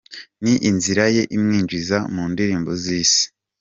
Ni inzira ye imwinjiza mu ndirimbo z’Isi?.